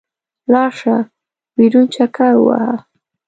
لاړ شه، بېرون چکر ووهه.